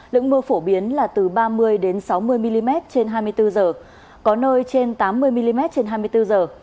lượng mưa phổ biến là từ ba mươi sáu mươi mm trên hai mươi bốn giờ có nơi trên tám mươi mm trên hai mươi bốn giờ